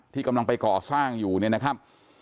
กำลังไปก่อสร้างอยู่เนี่ยนะครับ